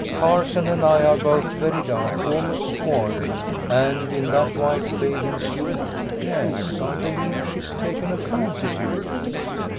Carson and I are both very dark, almost swarthy. And in that white bathing suit yes, I believe she's taken a fancy to you!"